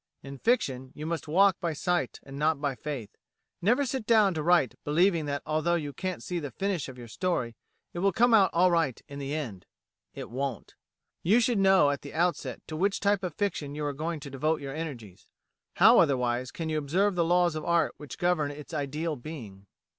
In fiction you must walk by sight and not by faith. Never sit down to write believing that although you can't see the finish of your story, it will come out all right "in the end." It won't. You should know at the outset to which type of fiction you are to devote your energies; how, otherwise, can you observe the laws of art which govern its ideal being?